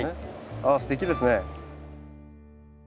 あっすてきですね。